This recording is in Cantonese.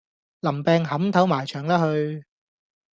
林病扻頭埋牆啦去